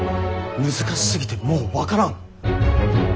難しすぎてもう分からん。